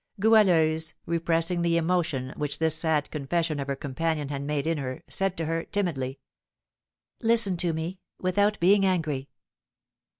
Goualeuse, repressing the emotion which this sad confession of her companion had made in her, said to her, timidly: "Listen to me without being angry."